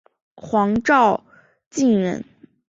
黄兆晋人。